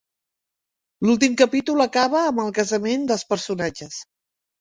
L'últim capítol acaba amb el casament dels personatges.